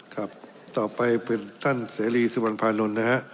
ครับต่อไปเป็นท่านเสรีสุวรรณภานนท์นะฮะ